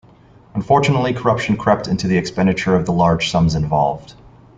Unfortunately corruption crept into the expenditure of the large sums involved.